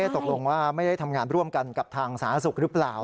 ตกลงว่าไม่ได้ทำงานร่วมกันกับทางสาธารณสุขหรือเปล่า